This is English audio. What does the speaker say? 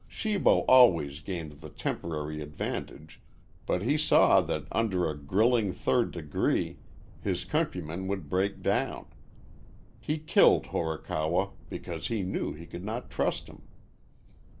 Shibo always gained the temporary advantage, but he saw that under a grilling third degree his countryman would break down. He killed Horikawa because he knew he could not trust him.